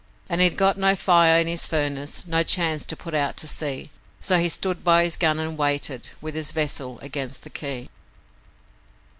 An' he'd got no fire in his furnace, no chance to put out to sea, So he stood by his gun and waited with his vessel against the quay.